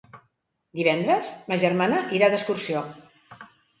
Divendres ma germana irà d'excursió.